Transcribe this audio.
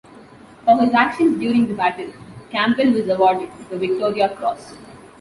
For his actions during the battle, Campbell was awarded the Victoria Cross.